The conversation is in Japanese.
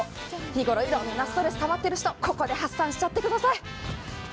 日頃いろんなストレスたまってる人、ここで発散してください。